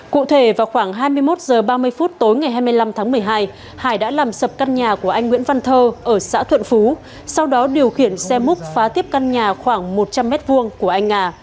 cụ thể vào khoảng hai mươi một h ba mươi phút tối ngày hai mươi năm tháng một mươi hai hải đã làm sập căn nhà của anh nguyễn văn thơ ở xã thuận phú sau đó điều khiển xe múc phá tiếp căn nhà khoảng một trăm linh m hai của anh nga